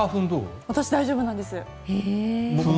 僕も大丈夫です。